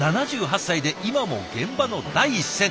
７８歳で今も現場の第一線。